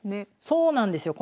そうなんですよ。